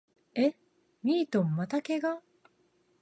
え、ミリトンまた怪我？